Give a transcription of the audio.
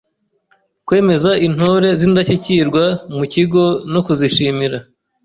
Kwemeza Intore z’indashyikirwa mu kigo no kuzishimira;